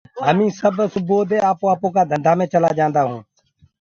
همي سب سُبوُئو دي آپو آپو ڪآ ڌندآ مي چيلآ جانٚدآ هونٚ